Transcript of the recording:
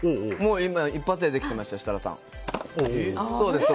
今、一発でできてました設楽さん。